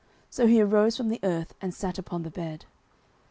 So he arose from the earth, and sat upon the bed.